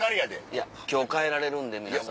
「いや今日帰られるんで皆さん」。